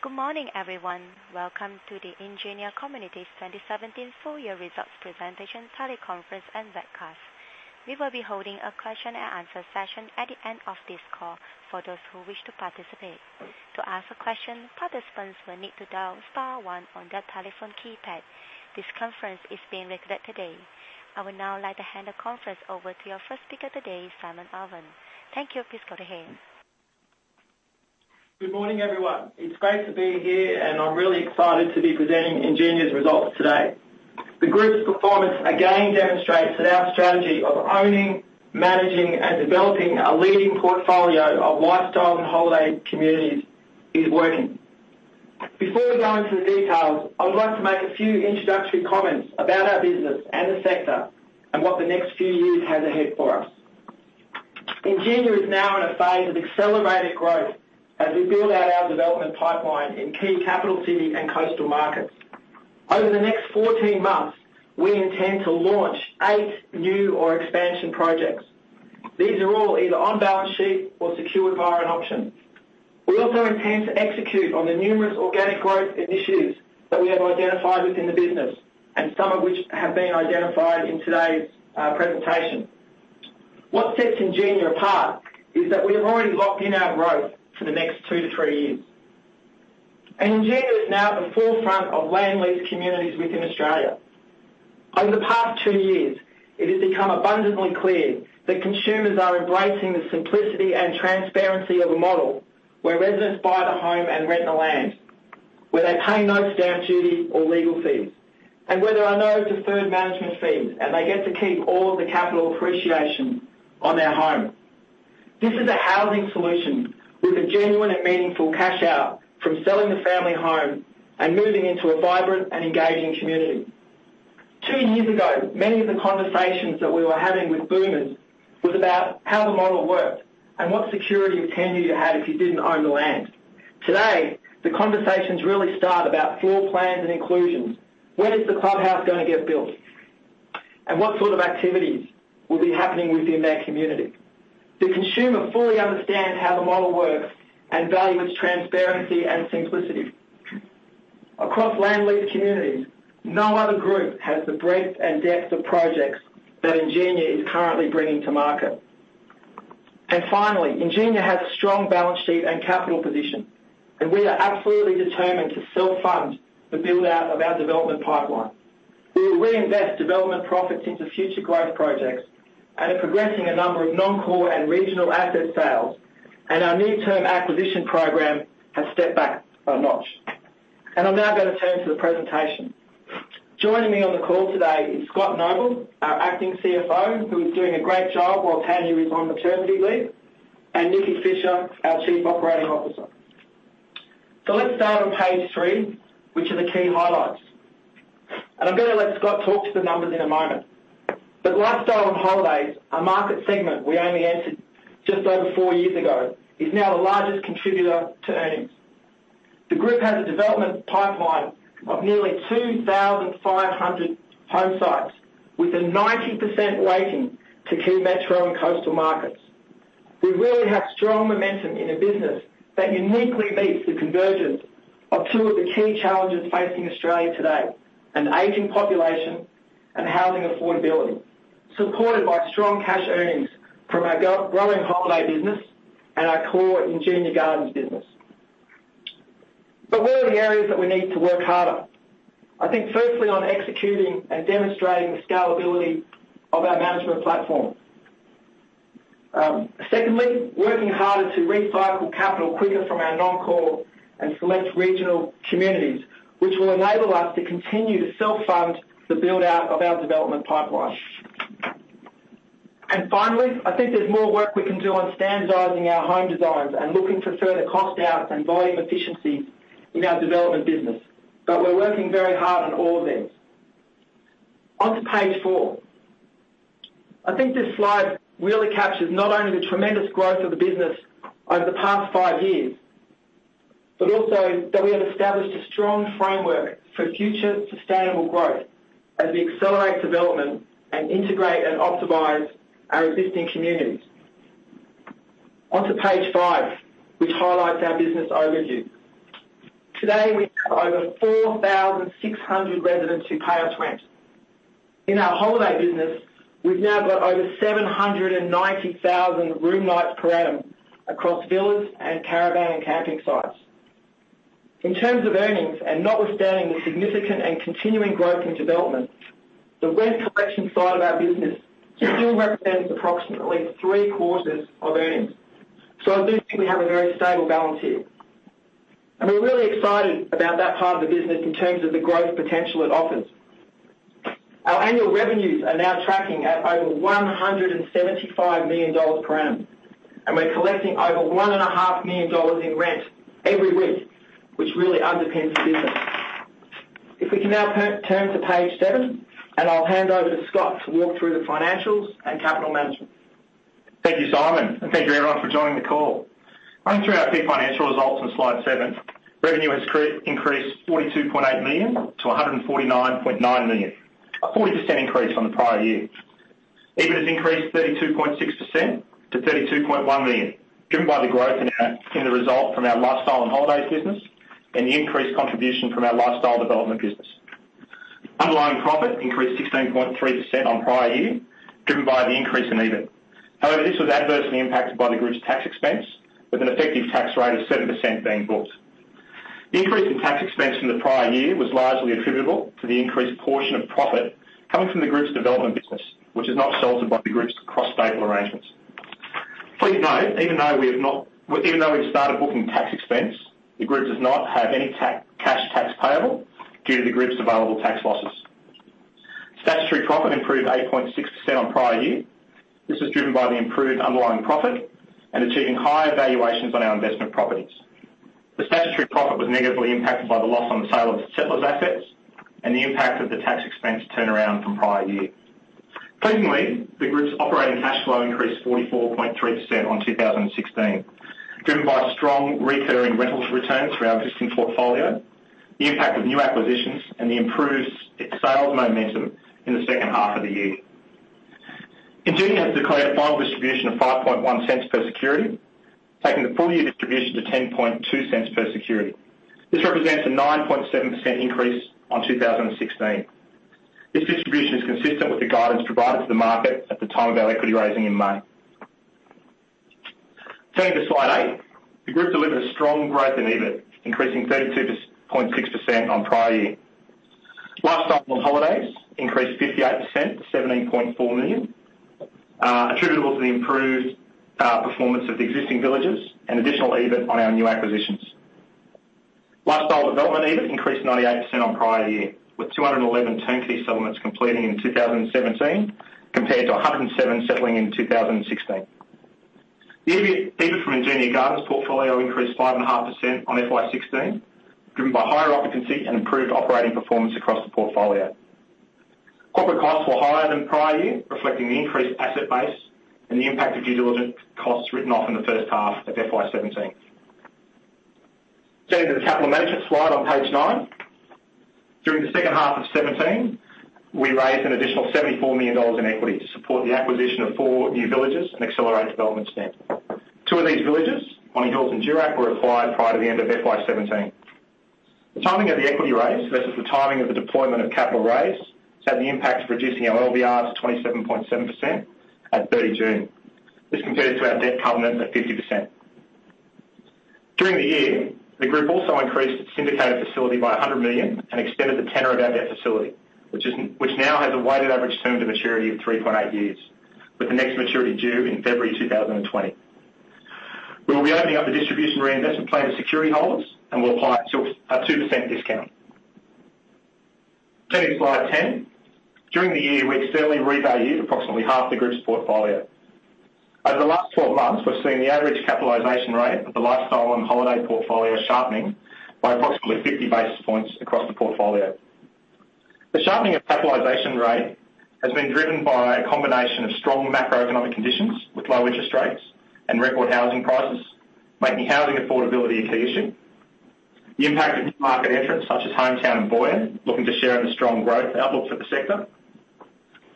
Good morning, everyone. Welcome to the Ingenia Communities 2017 full year results presentation, teleconference, and webcast. We will be holding a question and answer session at the end of this call for those who wish to participate. To ask a question, participants will need to dial star one on their telephone keypad. This conference is being recorded today. I would now like to hand the conference over to your first speaker today, Simon Owen. Thank you. Please go ahead. Good morning, everyone. It's great to be here. I'm really excited to be presenting Ingenia's results today. The group's performance again demonstrates that our strategy of owning, managing, and developing a leading portfolio of lifestyle and holiday communities is working. Before we go into the details, I would like to make a few introductory comments about our business and the sector. What the next few years has ahead for us. Ingenia is now in a phase of accelerated growth as we build out our development pipeline in key capital city and coastal markets. Over the next 14 months, we intend to launch eight new or expansion projects. These are all either on balance sheet or secured via an option. We also intend to execute on the numerous organic growth initiatives that we have identified within the business. Some of which have been identified in today's presentation. What sets Ingenia apart is that we have already locked in our growth for the next two to three years. Ingenia is now at the forefront of land lease communities within Australia. Over the past two years, it has become abundantly clear that consumers are embracing the simplicity and transparency of a model where residents buy the home and rent the land, where they pay no stamp duty or legal fees. Where there are no deferred management fees. They get to keep all the capital appreciation on their home. This is a housing solution with a genuine and meaningful cash-out from selling the family home and moving into a vibrant and engaging community. Two years ago, many of the conversations that we were having with boomers was about how the model worked and what security of tenure you had if you didn't own the land. Today, the conversations really start about floor plans and inclusions. When is the clubhouse going to get built? What sort of activities will be happening within their community? The consumer fully understands how the model works and value its transparency and simplicity. Across land lease communities, no other group has the breadth and depth of projects that Ingenia is currently bringing to market. Finally, Ingenia has a strong balance sheet and capital position. We are absolutely determined to self-fund the build-out of our development pipeline. We will reinvest development profits into future growth projects. Are progressing a number of non-core and regional asset sales. Our near-term acquisition program has stepped back a notch. I'm now going to turn to the presentation. Joining me on the call today is Scott Noble, our Acting CFO, who is doing a great job while Tanya is on maternity leave, and Nikki Fisher, our Chief Operating Officer. Let's start on page three, which are the key highlights. I'm going to let Scott talk to the numbers in a moment. Lifestyle and holidays, a market segment we only entered just over four years ago, is now the largest contributor to earnings. The group has a development pipeline of nearly 2,500 home sites, with a 90% weighting to key metro and coastal markets. We really have strong momentum in a business that uniquely meets the convergence of two of the key challenges facing Australia today: an aging population and housing affordability, supported by strong cash earnings from our growing holiday business and our core Ingenia Gardens business. What are the areas that we need to work harder? I think firstly on executing and demonstrating the scalability of our management platform. Secondly, working harder to recycle capital quicker from our non-core and select regional communities, which will enable us to continue to self-fund the build-out of our development pipeline. Finally, I think there's more work we can do on standardizing our home designs and looking for further cost outs and volume efficiencies in our development business. We're working very hard on all of these. On to page four. I think this slide really captures not only the tremendous growth of the business over the past five years, but also that we have established a strong framework for future sustainable growth as we accelerate development and integrate and optimize our existing communities. On to page five, which highlights our business overview. Today, we have over 4,600 residents who pay us rent. In our holiday business, we've now got over 790,000 room nights per annum across villas and caravan camping sites. In terms of earnings, and notwithstanding the significant and continuing growth in development, the rent collection side of our business still represents approximately three-quarters of earnings. I do think we have a very stable balance here. We're really excited about that part of the business in terms of the growth potential it offers. Our annual revenues are now tracking at over 175 million dollars per annum, and we're collecting over 1.5 million dollars in rent every week, which really underpins the business. If we can now turn to page seven, and I'll hand over to Scott to walk through the financials and capital management. Thank you, Simon. Thank you everyone for joining the call. Running through our key financial results on slide seven. Revenue has increased 42.8 million to 149.9 million, a 40% increase from the prior year. EBIT has increased 32.6% to 32.1 million, driven by the growth in the result from our Lifestyle and Holidays business and the increased contribution from our Lifestyle Development business. Underlying profit increased 16.3% on prior year, driven by the increase in EBIT. However, this was adversely impacted by the group's tax expense, with an effective tax rate of 7% being booked. The increase in tax expense from the prior year was largely attributable to the increased portion of profit coming from the group's development business, which is not sheltered by the group's cross-staple arrangements. Please note, even though we've started booking tax expense, the group does not have any cash tax payable due to the group's available tax losses. Statutory profit improved 8.6% on prior year. This was driven by the improved underlying profit and achieving higher valuations on our investment properties. The statutory profit was negatively impacted by the loss on the sale of Settlers' assets and the impact of the tax expense turnaround from prior year. Pleasingly, the group's operating cash flow increased 44.3% on 2016, driven by strong recurring rentals returns through our existing portfolio, the impact of new acquisitions, and the improved sales momentum in the second half of the year. Ingenia has declared a final distribution of 0.051 per security, taking the full-year distribution to 0.102 per security. This represents a 9.7% increase on 2016. This distribution is consistent with the guidance provided to the market at the time of our equity raising in May. Turning to slide eight. The group delivered a strong growth in EBIT, increasing 32.6% on prior year. Lifestyle and Holidays increased 58% to 17.4 million, attributable to the improved performance of the existing villages and additional EBIT on our new acquisitions. Lifestyle development EBIT increased 98% on prior year, with 211 turnkey settlements completing in 2017, compared to 107 settling in 2016. The EBIT from Ingenia Gardens portfolio increased five and a half % on FY 2016, driven by higher occupancy and improved operating performance across the portfolio. Corporate costs were higher than prior year, reflecting the increased asset base and the impact of due diligence costs written off in the first half of FY 2017. Turning to the capital management slide on page nine. During the second half of 2017, we raised an additional 74 million dollars in equity to support the acquisition of four new villages and accelerate development spend. Two of these villages, Bonny Hills and Durack, were acquired prior to the end of FY 2017. The timing of the equity raise versus the timing of the deployment of capital raise, has had the impact of reducing our LVR to 27.7% at 30 June. This compares to our debt covenant at 50%. During the year, the group also increased its syndicated facility by 100 million and extended the tenor of our debt facility, which now has a weighted average term to maturity of 3.8 years, with the next maturity due in February 2020. We will be opening up the distribution reinvestment plan to security holders and will apply a 2% discount. Turning to slide 10. During the year, we externally revalued approximately half the group's portfolio. Over the last 12 months, we've seen the average capitalization rate of the Lifestyle and Holiday portfolio sharpening by approximately 50 basis points across the portfolio. The sharpening of capitalization rate has been driven by a combination of strong macroeconomic conditions with low interest rates and record housing prices, making housing affordability a key issue. The impact of new market entrants such as Hometown and Voya, looking to share in the strong growth outlook for the sector.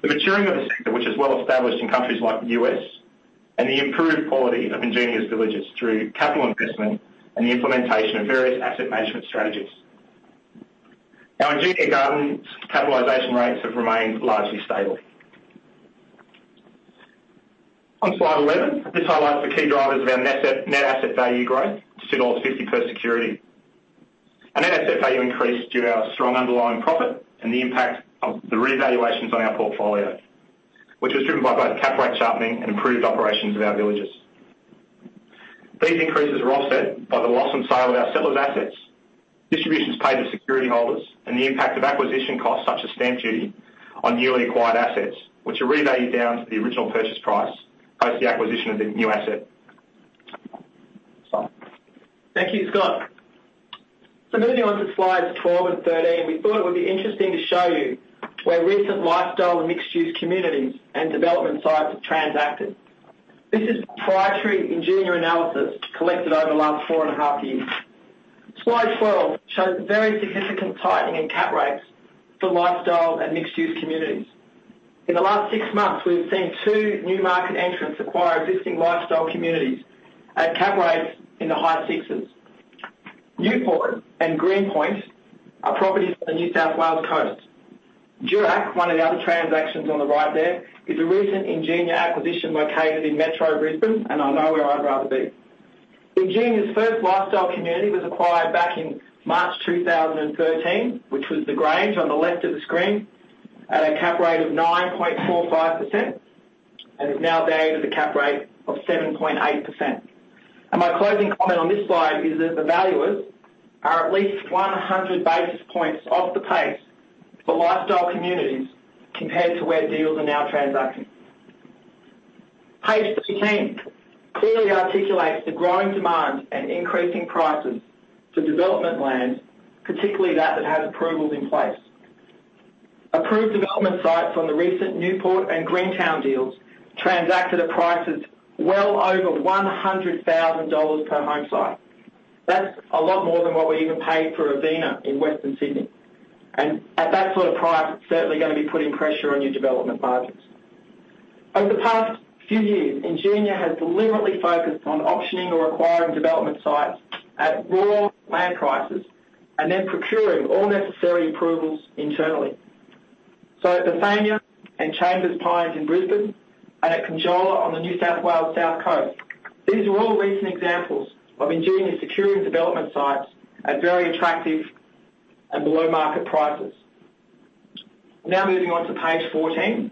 The maturing of a sector, which is well established in countries like the U.S., and the improved quality of Ingenia's villages through capital investment and the implementation of various asset management strategies. Our Ingenia Gardens capitalization rates have remained largely stable. On slide 11, this highlights the key drivers of our net asset value growth to 2.50 per security. Our net asset value increased due our strong underlying profit and the impact of the revaluations on our portfolio, which was driven by both cap rate sharpening and improved operations of our villages. These increases are offset by the loss on sale of our Settlers' assets, distributions paid to security holders, and the impact of acquisition costs such as stamp duty on newly acquired assets, which are revalued down to the original purchase price post the acquisition of the new asset. Thank you, Scott. Moving on to slides 12 and 13, we thought it would be interesting to show you where recent lifestyle and mixed-use communities and development sites have transacted. This is proprietary Ingenia analysis collected over the last four and a half years. Slide 12 shows a very significant tightening in cap rates for lifestyle and mixed-use communities. In the last six months, we've seen two new market entrants acquire existing lifestyle communities at cap rates in the high sixes. Newport and Green Point are properties on the New South Wales coast. Durack, one of the other transactions on the right there, is a recent Ingenia acquisition located in metro Brisbane, and I know where I'd rather be. Ingenia's first lifestyle community was acquired back in March 2013, which was The Grange on the left of the screen, at a cap rate of 9.45%, and has now valued at a cap rate of 7.8%. My closing comment on this slide is that the valuers are at least 100 basis points off the pace for lifestyle communities compared to where deals are now transacting. Page 13 clearly articulates the growing demand and increasing prices for development land, particularly that that has approvals in place. Approved development sites on the recent Newport and Green Point deals transacted at prices well over 100,000 dollars per home site. That's a lot more than what we even paid for Avina in Western Sydney. At that sort of price, it's certainly going to be putting pressure on your development margins. Over the past few years, Ingenia has deliberately focused on auctioning or acquiring development sites at raw land prices and then procuring all necessary approvals internally. Bethania and Chambers Pines in Brisbane and at Conjola on the New South Wales South Coast. These are all recent examples of Ingenia securing development sites at very attractive and below-market prices. Moving on to page 14,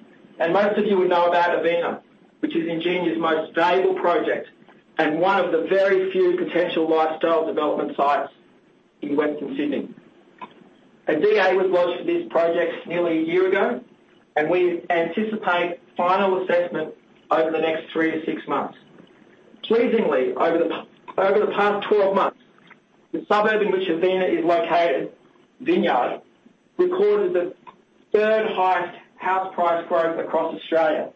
most of you would know about Avina, which is Ingenia's most valuable project and one of the very few potential lifestyle development sites in Western Sydney. A DA was lodged for this project nearly a year ago, and we anticipate final assessment over the next three to six months. Pleasingly, over the past 12 months, the suburb in which Avina is located, Vineyard, recorded the third highest house price growth across Australia,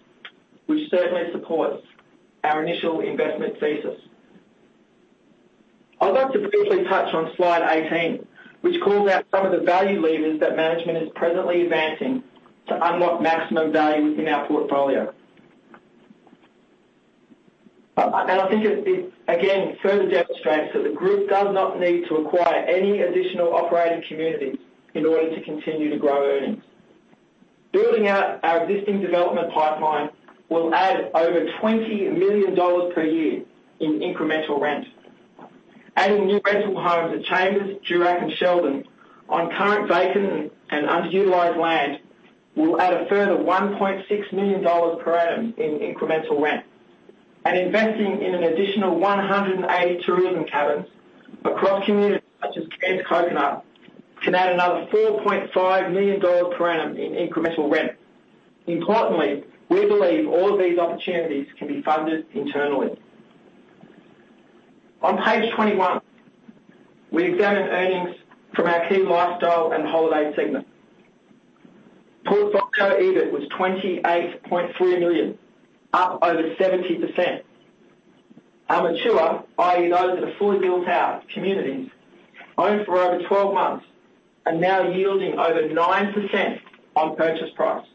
which certainly supports our initial investment thesis. I'd like to briefly touch on slide 18, which calls out some of the value levers that management is presently advancing to unlock maximum value within our portfolio. I think it, again, further demonstrates that the group does not need to acquire any additional operating communities in order to continue to grow earnings. Building out our existing development pipeline will add over 20 million dollars per year in incremental rent. Adding new rental homes at Chambers, Durack, and Sheldon on current vacant and underutilized land will add a further 1.6 million dollars per annum in incremental rent. Investing in an additional 180 tourism cabins across communities such as Cairns Coconut can add another 4.5 million dollars per annum in incremental rent. Importantly, we believe all of these opportunities can be funded internally. On page 21, we examine earnings from our key lifestyle and holiday segment. Portfolio EBIT was 28.3 million, up over 70%. Our mature, i.e., those that are fully built out communities, owned for over 12 months, are now yielding over 9% on purchase price.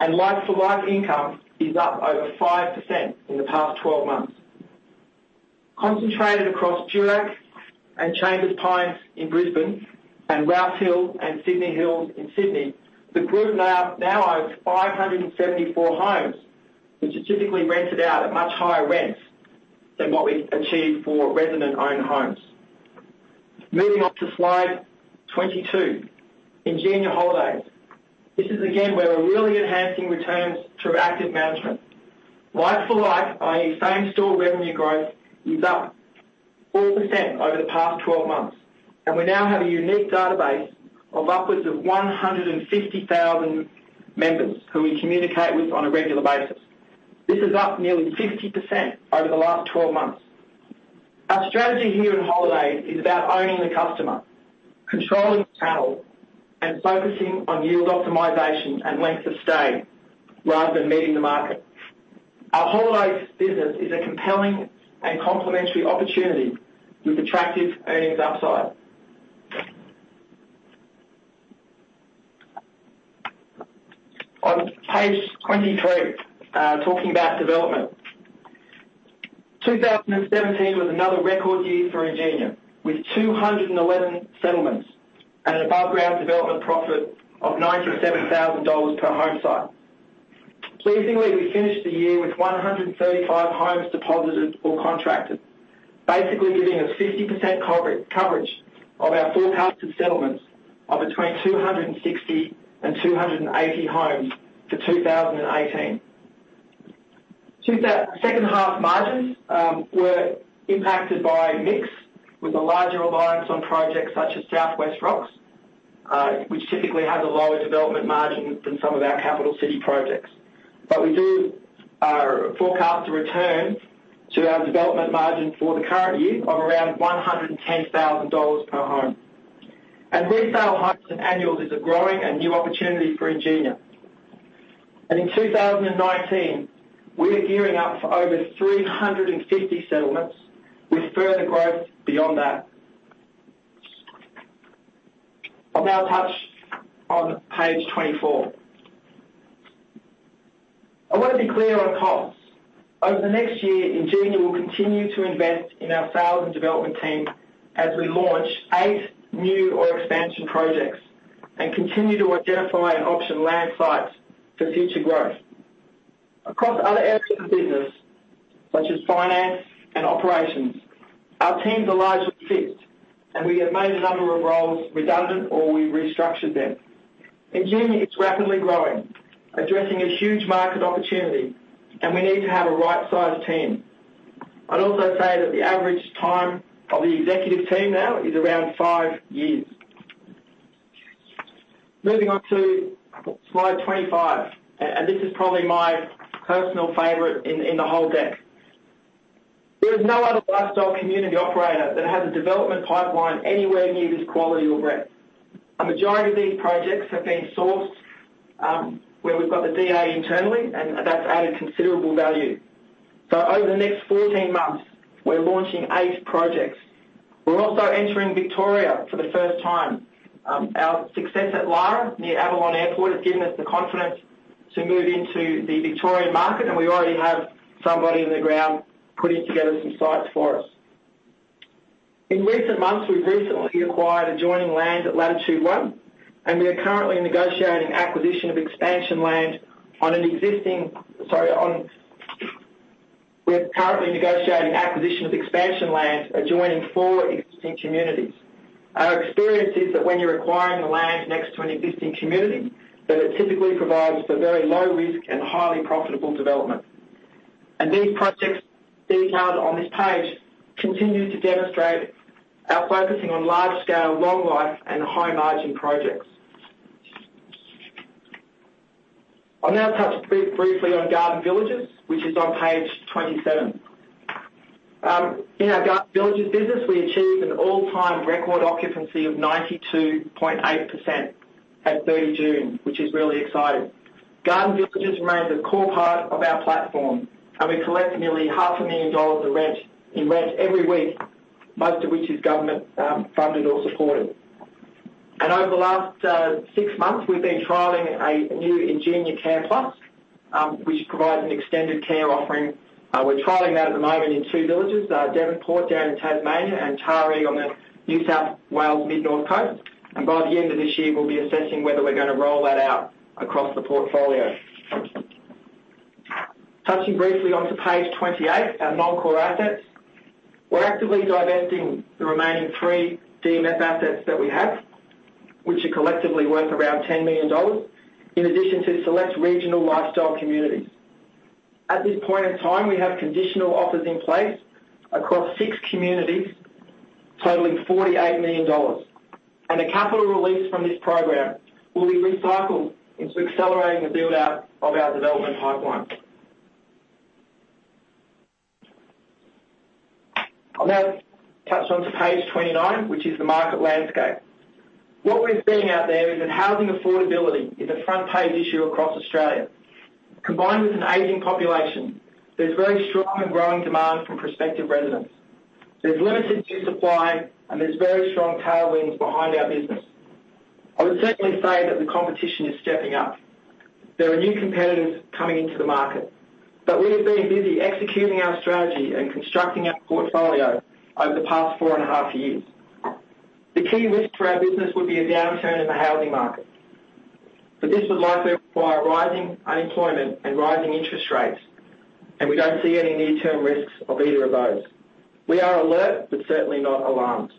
Like for like income is up over 5% in the past 12 months. Concentrated across Durack and Chambers Pines in Brisbane and Rouse Hill and Sydney Hills in Sydney, the group now owns 574 homes, which are typically rented out at much higher rents than what we achieve for resident-owned homes. Moving on to slide 22, Ingenia Holidays. This is again, where we're really enhancing returns through active management. Like for like, i.e., same store revenue growth, is up 4% over the past 12 months, and we now have a unique database of upwards of 150,000 members who we communicate with on a regular basis. This is up nearly 50% over the last 12 months. Our strategy here at Holidays is about owning the customer, controlling the channel, and focusing on yield optimization and length of stay rather than meeting the market. Our holidays business is a compelling and complementary opportunity with attractive earnings upside. On page 23, talking about development. 2017 was another record year for Ingenia, with 211 settlements and an above-ground development profit of 97,000 dollars per home site. Pleasingly, we finished the year with 135 homes deposited or contracted, basically giving a 50% coverage of our forecasted settlements of between 260 and 280 homes for 2018. Second half margins were impacted by mix with a larger reliance on projects such as South West Rocks, which typically has a lower development margin than some of our capital city projects. We do forecast a return to our development margin for the current year of around 110,000 dollars per home. Resale homes and annuals is a growing and new opportunity for Ingenia. In 2019, we are gearing up for over 350 settlements with further growth beyond that. I will now touch on page 24. I want to be clear on costs. Over the next year, Ingenia will continue to invest in our sales and development team as we launch eight new or expansion projects and continue to identify and auction land sites for future growth. Across other areas of the business, such as finance and operations, our teams are largely fixed, and we have made a number of roles redundant or we restructured them. Ingenia is rapidly growing, addressing a huge market opportunity, and we need to have a right-sized team. I would also say that the average time of the executive team now is around five years. Moving on to slide 25, this is probably my personal favorite in the whole deck. There is no other lifestyle community operator that has a development pipeline anywhere near this quality or breadth. A majority of these projects have been sourced, where we have got the DA internally, and that has added considerable value. Over the next 14 months, we are launching eight projects. We are also entering Victoria for the first time. Our success at Lara, near Avalon Airport, has given us the confidence to move into the Victorian market, and we already have somebody on the ground putting together some sites for us. In recent months, we have recently acquired adjoining land at Latitude One, and we are currently negotiating acquisition of expansion land adjoining four existing communities. Our experience is that when you are acquiring the land next to an existing community, that it typically provides for very low risk and highly profitable development. These projects detailed on this page continue to demonstrate our focusing on large-scale, long life, and high-margin projects. I will now touch briefly on Ingenia Gardens, which is on page 27. In our Ingenia Gardens business, we achieved an all-time record occupancy of 92.8% at 30 June, which is really exciting. Ingenia Gardens remains a core part of our platform, and we collect nearly half a million dollars in rent every week, most of which is government funded or supported. Over the last six months, we have been trialing a new Ingenia Care Plus, which provides an extended care offering. We are trialing that at the moment in two villages, Devonport down in Tasmania and Taree on the New South Wales Mid-North Coast. By the end of this year, we will be assessing whether we are going to roll that out across the portfolio. Touching briefly on to page 28, our non-core assets. We are actively divesting the remaining three DMF assets that we have, which are collectively worth around 10 million dollars, in addition to select regional lifestyle communities. At this point in time, we have conditional offers in place across six communities totaling 48 million dollars. The capital release from this program will be recycled into accelerating the build-out of our development pipeline. I will now touch on to page 29, which is the market landscape. What we are seeing out there is that housing affordability is a front-page issue across Australia. Combined with an aging population, there is very strong and growing demand from prospective residents. There is limited new supply, and there is very strong tailwinds behind our business. I would certainly say that the competition is stepping up. There are new competitors coming into the market, but we have been busy executing our strategy and constructing our portfolio over the past four and a half years. The key risk to our business would be a downturn in the housing market, but this would likely require rising unemployment and rising interest rates, and we don't see any near-term risks of either of those. We are alert, but certainly not alarmed.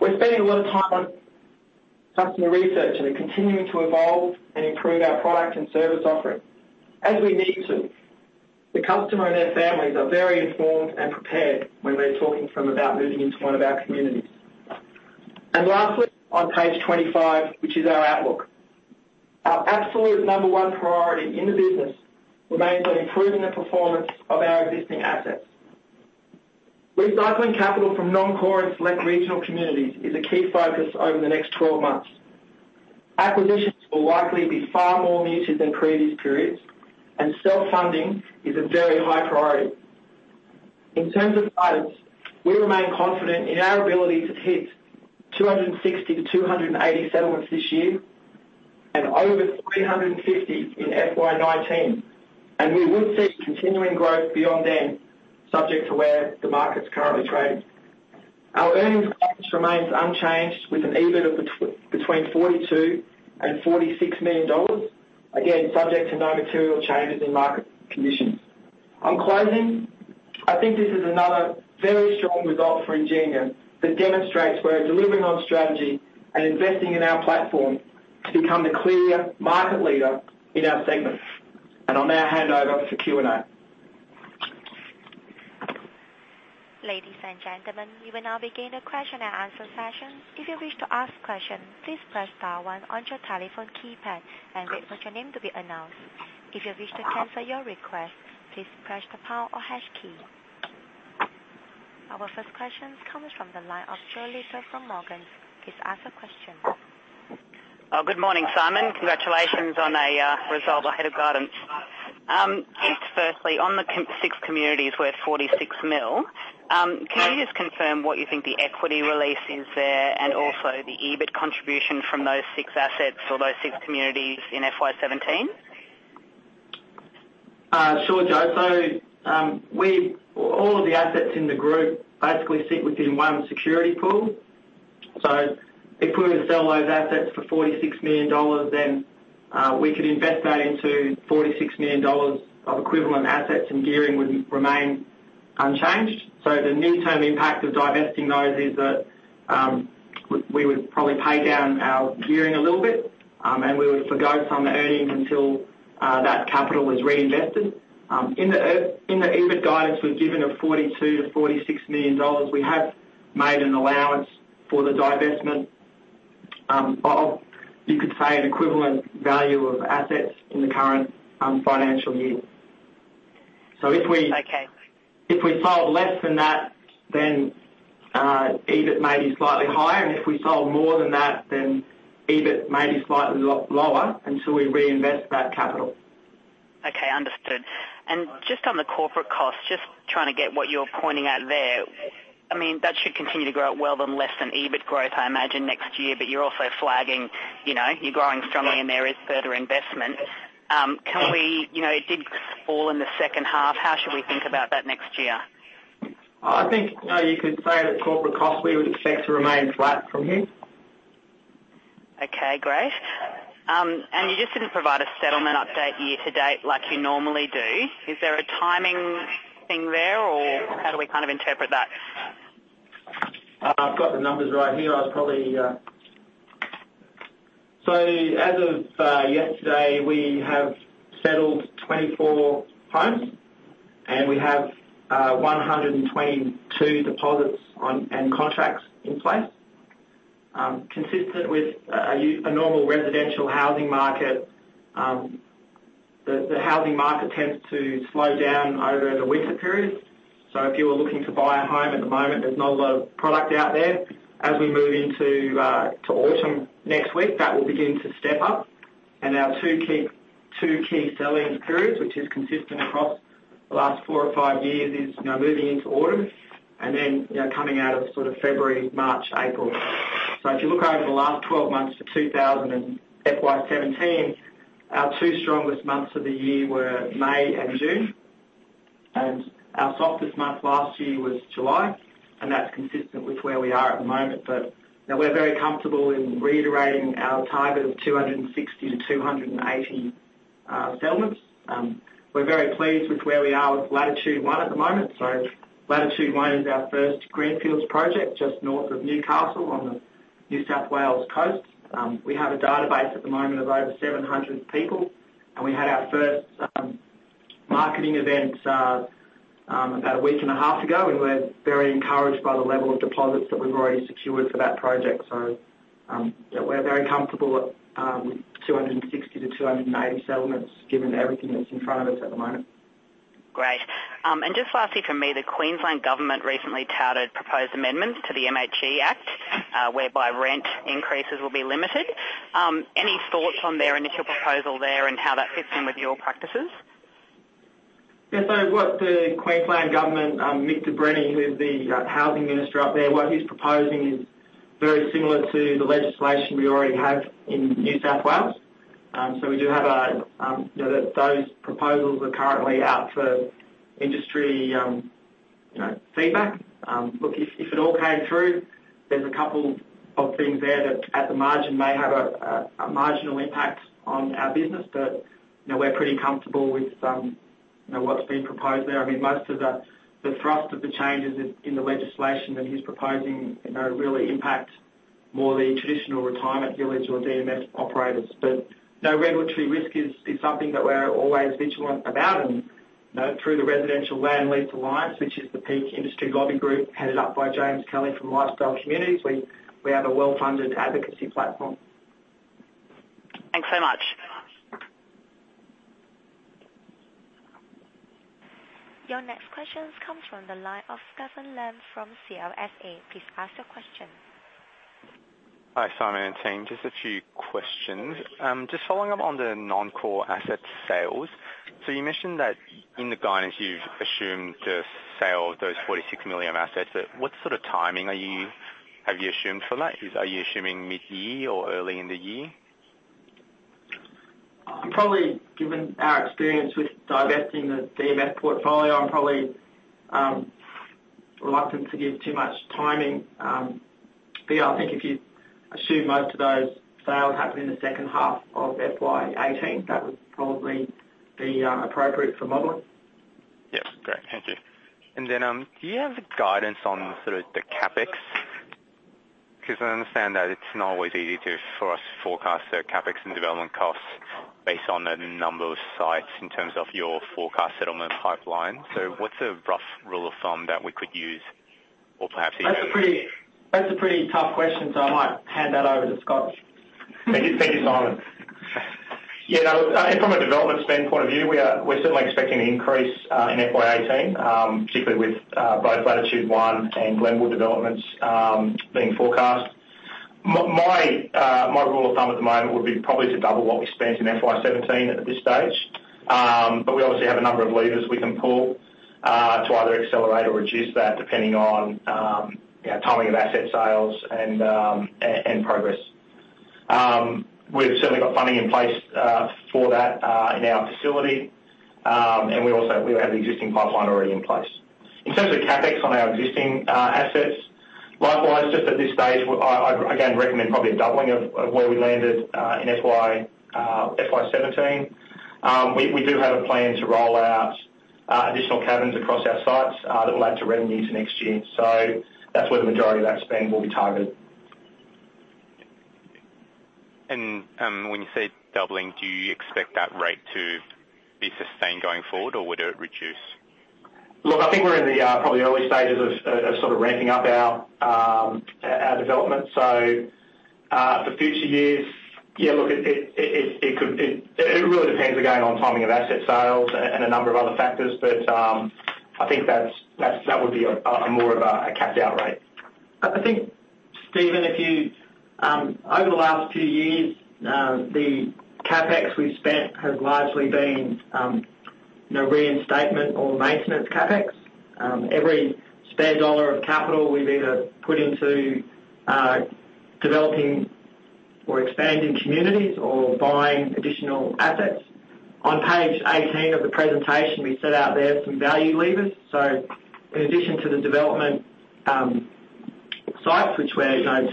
We're spending a lot of time on customer research, and we're continuing to evolve and improve our product and service offering as we need to. The customer and their families are very informed and prepared when we're talking to them about moving into one of our communities. Lastly, on page 25, which is our outlook. Our absolute number 1 priority in the business remains on improving the performance of our existing assets. Recycling capital from non-core and select regional communities is a key focus over the next 12 months. Acquisitions will likely be far more muted than previous periods, and self-funding is a very high priority. In terms of guidance, we remain confident in our ability to hit 260-280 settlements this year and over 350 in FY 2019, and we would see continuing growth beyond then, subject to where the market's currently trading. Our earnings guidance remains unchanged with an EBIT of between 42 million and 46 million dollars, again, subject to no material changes in market conditions. On closing, I think this is another very strong result for Ingenia that demonstrates we're delivering on strategy and investing in our platform to become the clear market leader in our segment. I'll now hand over for Q&A. Ladies and gentlemen, we will now begin the question and answer session. If you wish to ask a question, please press star one on your telephone keypad and wait for your name to be announced. If you wish to cancel your request, please press the pound or hash key. Our first question comes from the line of Jo Lisa from Morgan. Please ask your question. Good morning, Simon. Congratulations on a result ahead of guidance. Firstly, on the six communities worth 46 million, can you just confirm what you think the equity release is there and also the EBIT contribution from those six assets or those six communities in FY 2017? Sure, Jo. All of the assets in the group basically sit within one security pool. If we were to sell those assets for 46 million dollars, we could invest that into 46 million dollars of equivalent assets, and gearing would remain unchanged. The near-term impact of divesting those is that we would probably pay down our gearing a little bit, and we would forego some earnings until that capital is reinvested. In the EBIT guidance we've given of 42 million to 46 million dollars, we have made an allowance for the divestment of, you could say, an equivalent value of assets in the current financial year. Okay If we sold less than that, EBIT may be slightly higher, and if we sold more than that, EBIT may be slightly lower until we reinvest that capital. Okay. Understood. Just on the corporate cost, just trying to get what you're pointing out there. That should continue to grow at well less than EBIT growth, I imagine, next year, but you're also flagging you're growing strongly and there is further investment. It did fall in the second half. How should we think about that next year? I think, you could say that corporate costs we would expect to remain flat from here. Okay. Great. You just didn't provide a settlement update year to date like you normally do. Is there a timing thing there or how do we interpret that? I've got the numbers right here. As of yesterday, we have settled 24 homes, and we have 122 deposits and contracts in place. Consistent with a normal residential housing market, the housing market tends to slow down over the winter period. If you are looking to buy a home at the moment, there's not a lot of product out there. As we move into autumn next week, that will begin to step up and our two key selling periods, which is consistent across the last four or five years, is moving into autumn and then coming out of February, March, April. If you look over the last 12 months for FY 2017, our two strongest months of the year were May and June, and our softest month last year was July, and that's consistent with where we are at the moment. We're very comfortable in reiterating our target of 260 settlements-280 settlements. We're very pleased with where we are with Latitude One at the moment. Latitude One is our first greenfields project just north of Newcastle on the New South Wales coast. We have a database at the moment of over 700 people, and we had our first marketing event about a week and a half ago, and we're very encouraged by the level of deposits that we've already secured for that project. We're very comfortable at 260 settlements-280 settlements given everything that's in front of us at the moment. Great. Just lastly from me, the Queensland Government recently touted proposed amendments to the MHE Act, whereby rent increases will be limited. Any thoughts on their initial proposal there and how that fits in with your practices? Yeah. What the Queensland Government, Mick de Brenni, who is the housing minister up there, what he's proposing is very similar to the legislation we already have in New South Wales. Those proposals are currently out for industry feedback. Look, if it all came through, there's a couple of things there that at the margin may have a marginal impact on our business. We're pretty comfortable with what's being proposed there. Most of the thrust of the changes in the legislation that he's proposing really impact more the traditional retirement village or DMF operators. Regulatory risk is something that we're always vigilant about and through the Residential Land Lease Alliance, which is the peak industry lobbying group headed up by James Kelly from Lifestyle Communities, we have a well-funded advocacy platform. Thanks so much. Your next question comes from the line of Stefan Lam from CLSA. Please ask your question. Hi, Simon and team. Just a few questions. Just following up on the non-core asset sales. You mentioned that in the guidance you've assumed the sale of those 46 million assets. What sort of timing have you assumed for that? Are you assuming mid-year or early in the year? Probably given our experience with divesting the DMF portfolio, I'm probably reluctant to give too much timing. Yeah, I think if you assume most of those sales happen in the second half of FY 2018, that would probably be appropriate for modeling. Yep. Great. Thank you. Then, do you have a guidance on the CapEx? I understand that it's not always easy for us to forecast the CapEx and development costs based on the number of sites in terms of your forecast settlement pipeline. What's a rough rule of thumb that we could use or perhaps. That's a pretty tough question, I might hand that over to Scott. Thank you, Simon. From a development spend point of view, we're certainly expecting an increase in FY 2018, particularly with both Latitude One and Glenwood developments being forecast. My rule of thumb at the moment would be probably to double what we spent in FY 2017 at this stage. We obviously have a number of levers we can pull to either accelerate or reduce that depending on timing of asset sales and progress. We've certainly got funding in place for that in our facility, and we have the existing pipeline already in place. In terms of CapEx on our existing assets, likewise, just at this stage, I again recommend probably a doubling of where we landed in FY 2017. We do have a plan to roll out additional cabins across our sites that will add to revenue into next year. That's where the majority of our spend will be targeted. When you say doubling, do you expect that rate to be sustained going forward or would it reduce? Look, I think we're in the probably early stages of sort of ramping up our development. For future years, yeah, look, it really depends, again, on timing of asset sales and a number of other factors, but I think that would be more of a capped-out rate. I think, Stefan, over the last two years, the CapEx we've spent has largely been reinstatement or maintenance CapEx. Every spare AUD of capital we've either put into developing or expanding communities or buying additional assets. On page 18 of the presentation, we set out there some value levers. In addition to the development sites, which we're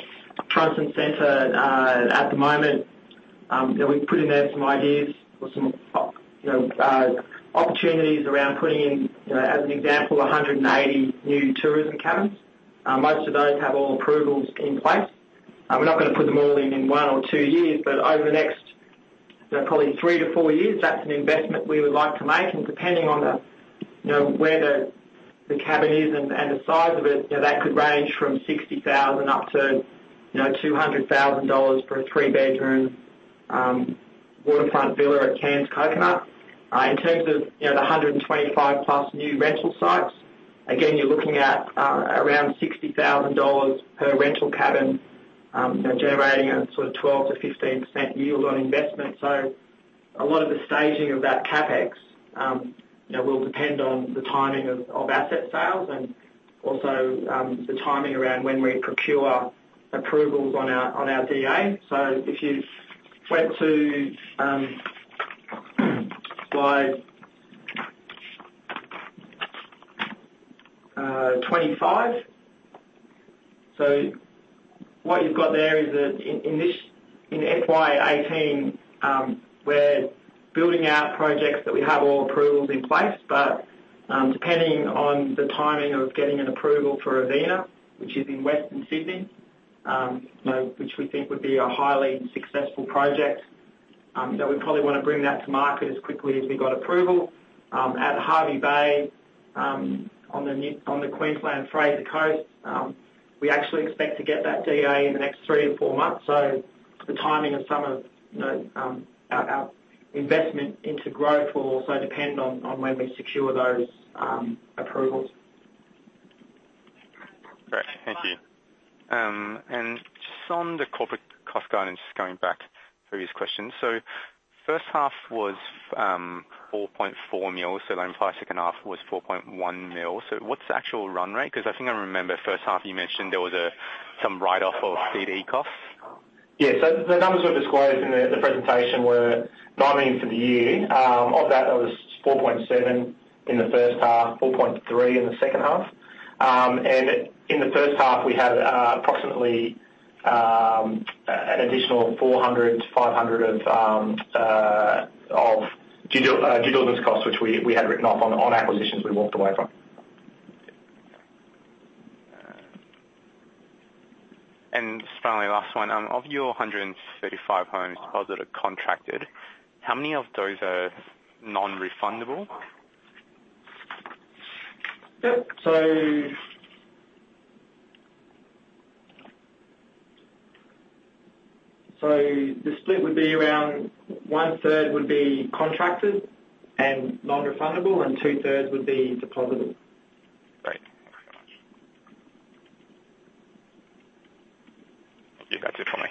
front and center at the moment, we put in there some ideas or some opportunities around putting in, as an example, 180 new tourism cabins. Most of those have all approvals in place. We're not going to put them all in in one or two years, but over the next probably three to four years, that's an investment we would like to make. And depending on where the cabin is and the size of it, that could range from 60,000 up to 200,000 dollars for a three-bedroom waterfront villa at Cairns Coconut. In terms of the 125-plus new rental sites, again, you're looking at around 60,000 dollars per rental cabin, generating a sort of 12%-15% yield on investment. A lot of the staging of that CapEx will depend on the timing of asset sales and also the timing around when we procure approvals on our DA. If you went to slide 25, what you've got there is that in FY 2018, we're building out projects that we have all approvals in place, but depending on the timing of getting an approval for Avina, which is in Western Sydney, which we think would be a highly successful project, that we probably want to bring that to market as quickly as we got approval. At Hervey Bay, on the Queensland Fraser Coast, we actually expect to get that DA in the next three to four months. The timing of some of our investment into growth will also depend on when we secure those approvals. Great. Thank you. Just on the corporate cost guidance, just going back to previous questions. First half was 4.4 million, our second half was 4.1 million. What's the actual run rate? Because I think I remember first half you mentioned there was some write-off of DD costs. Yeah. The numbers we've disclosed in the presentation were 9 million for the year. Of that, it was 4.7 million in the first half, 4.3 million in the second half. In the first half, we had approximately an additional 400,000 to 500,000 of due diligence costs, which we had written off on acquisitions we walked away from. Just finally, last one, of your 135 homes deposited or contracted, how many of those are non-refundable? Yep. The split would be around one third would be contracted and non-refundable, and two thirds would be refundable. Great. Thank you very much. I think that's it for me.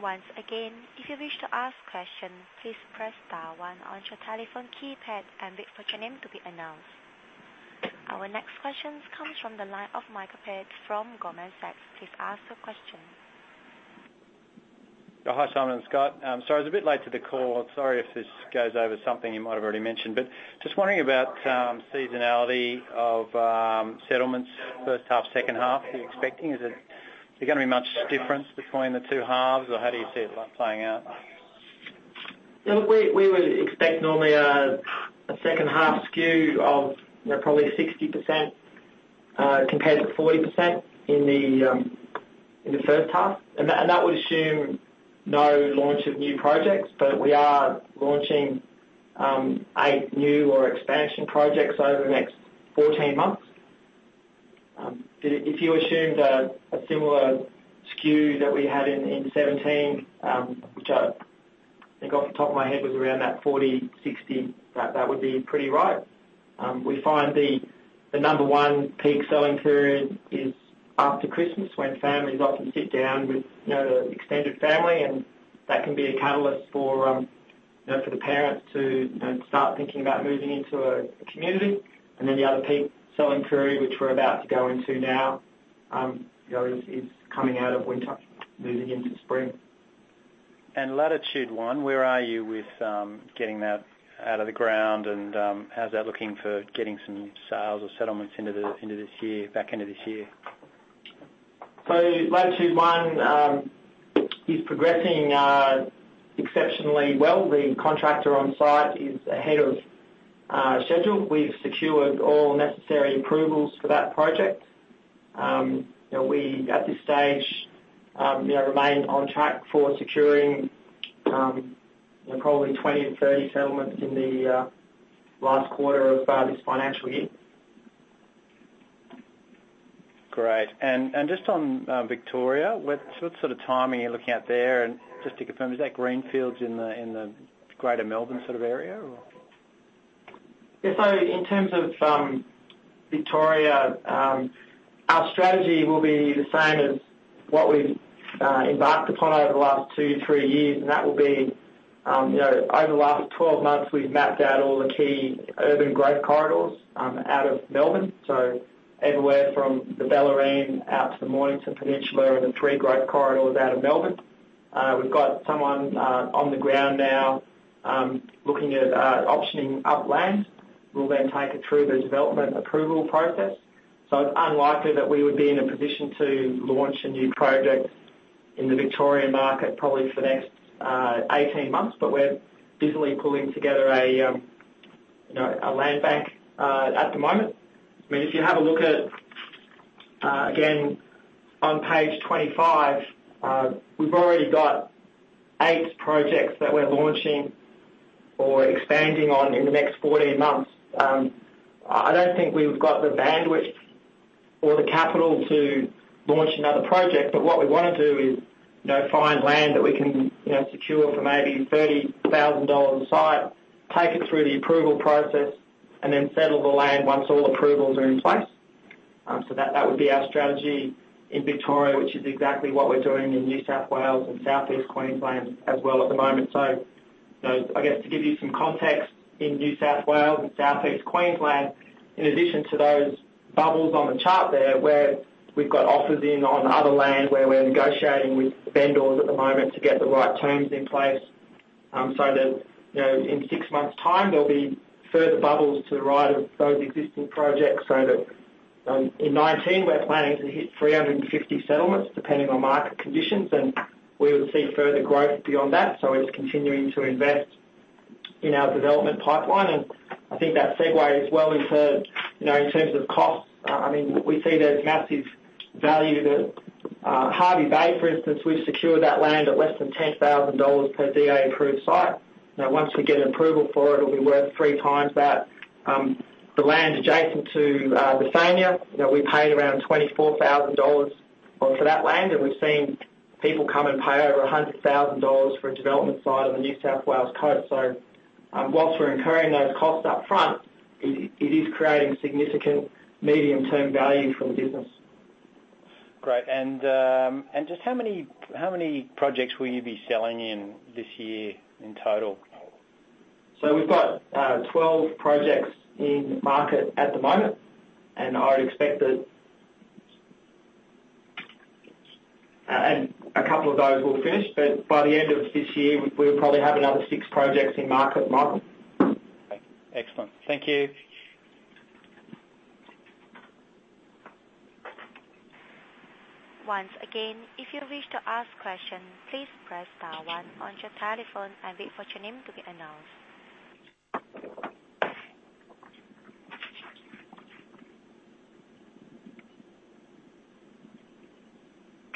Once again, if you wish to ask questions, please press star one on your telephone keypad and wait for your name to be announced. Our next question comes from the line of Michael Pitt from Goldman Sachs. Please ask your question. Hi, Simon and Scott. Sorry I was a bit late to the call. Sorry if this goes over something you might have already mentioned, just wondering about seasonality of settlements first half, second half. Is there going to be much difference between the two halves, or how do you see it playing out? Yeah, look, we would expect normally a second half skew of probably 60%, compared to 40% in the first half. That would assume no launch of new projects, we are launching 8 new or expansion projects over the next 14 months. If you assumed a similar skew that we had in 2017, which I think off the top of my head was around that 40/60, that would be pretty right. We find the number 1 peak selling period is after Christmas, when families often sit down with extended family, and that can be a catalyst for the parents to start thinking about moving into a community. The other peak selling period, which we're about to go into now, is coming out of winter, moving into spring. Latitude One, where are you with getting that out of the ground, and how's that looking for getting some sales or settlements into the back end of this year? Latitude One is progressing exceptionally well. The contractor on site is ahead of schedule. We've secured all necessary approvals for that project. We, at this stage, remain on track for securing probably 20-30 settlements in the last quarter of this financial year. Great. Just on Victoria, what sort of timing are you looking at there? Just to confirm, is that greenfields in the Greater Melbourne area, or? In terms of Victoria, our strategy will be the same as what we've embarked upon over the last two, three years. That will be, over the last 12 months, we've mapped out all the key urban growth corridors out of Melbourne. Everywhere from the Bellarine out to the Mornington Peninsula, and the three growth corridors out of Melbourne. We've got someone on the ground now looking at optioning up land. We'll take it through the development approval process. It's unlikely that we would be in a position to launch a new project in the Victorian market, probably for the next 18 months. We're busily pulling together a land bank at the moment. If you have a look at, again, on page 25, we've already got eight projects that we're launching or expanding on in the next 14 months. I don't think we've got the bandwidth or the capital to launch another project. What we want to do is find land that we can secure for maybe 30,000 dollars a site, take it through the approval process, settle the land once all approvals are in place. That would be our strategy in Victoria, which is exactly what we're doing in New South Wales and Southeast Queensland as well at the moment. I guess to give you some context, in New South Wales and Southeast Queensland, in addition to those bubbles on the chart there, where we've got offers in on other land, where we're negotiating with vendors at the moment to get the right terms in place so that, in six months' time, there'll be further bubbles to the right of those existing projects so that in 2019, we're planning to hit 350 settlements, depending on market conditions. We would see further growth beyond that. We're just continuing to invest in our development pipeline. I think that segues well into, in terms of costs. We see there's massive value that Hervey Bay, for instance, we've secured that land at less than 10,000 dollars per DA-approved site. Now, once we get an approval for it'll be worth three times that. The land adjacent to Bethania, we paid around 24,000 dollars for that land. We've seen people come and pay over 100,000 dollars for a development site on the New South Wales coast. Whilst we're incurring those costs up front, it is creating significant medium-term value for the business. Great. Just how many projects will you be selling in this year in total? We've got 12 projects in market at the moment, I would expect that a couple of those will finish. By the end of this year, we'll probably have another six projects in market, Michael Pitt. Okay. Excellent. Thank you. Once again, if you wish to ask questions, please press star one on your telephone and wait for your name to be announced.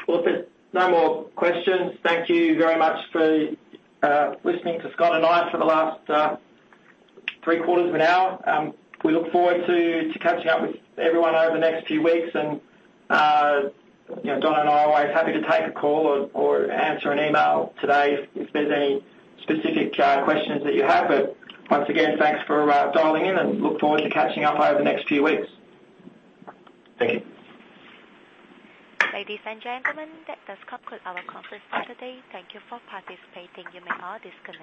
If there's no more questions, thank you very much for listening to Scott and I for the last three quarters of an hour. We look forward to catching up with everyone over the next few weeks. Donna and I are always happy to take a call or answer an email today if there's any specific questions that you have. Once again, thanks for dialing in and look forward to catching up over the next few weeks. Thank you. Ladies and gentlemen, that does conclude our conference for today. Thank you for participating. You may now disconnect.